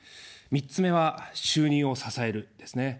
３つ目は、収入を支える、ですね。